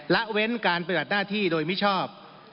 และเว้นการประหลัดหน้าที่โดยมิชอบ